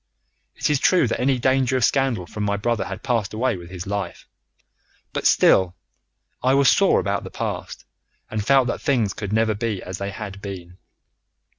It is true that any danger of scandal from my brother had passed away with his life; but still, I was sore about the past, and felt that things could never be as they had been.